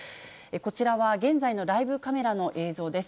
こちらは現在のライブカメラの映像です。